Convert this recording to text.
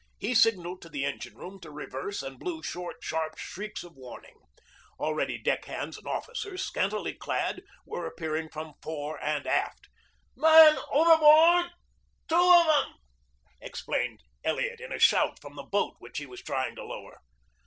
He signaled to the engine room to reverse and blew short, sharp shrieks of warning. Already deckhands and officers, scantily clad, were appearing from fore and aft. "Men overboard two of 'em!" explained Elliot in a shout from the boat which he was trying to lower.